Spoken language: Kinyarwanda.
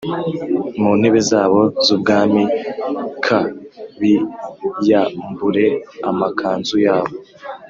ku ntebe zabo z ubwami k biyambure amakanzu yabo